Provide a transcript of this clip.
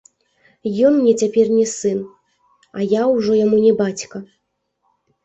Ён мне цяпер не сын, а я ўжо яму не бацька.